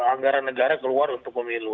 anggaran negara keluar untuk pemilu